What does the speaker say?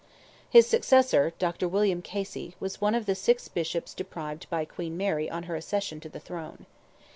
His successor, Dr. William Casey, was one of the six Bishops deprived by Queen Mary on her accession to the throne.